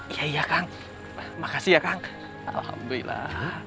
iya iya kang makasih ya kang alhamdulillah